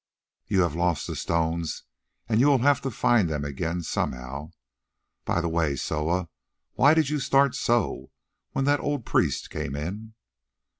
"You have lost the stones and you will have to find them again somehow. By the way, Soa, why did you start so when the old priest came in?"